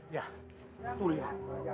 ya tuh liat